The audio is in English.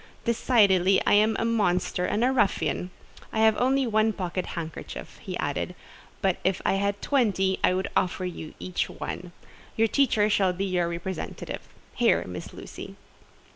"Decidedly I am a monster and a ruffian. I have only one pocket handkerchief," he added, "but if I had twenty, I would offer you each one. Your teacher shall be your representative. Here, Miss Lucy."